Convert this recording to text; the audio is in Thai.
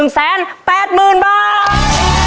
๑แสน๘หมื่นบาท